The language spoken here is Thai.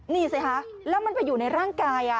นี่สิคะแล้วมันไปอยู่ในร่างกาย